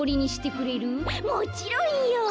「もちろんよ」。